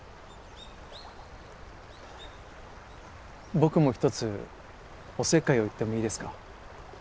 僕も一つおせっかいを言ってもいいですか？